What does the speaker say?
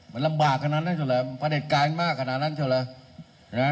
มันลำบากขนาดนั้นสุดแล้วประเด็ดการณ์มากขนาดนั้นสุดแล้ว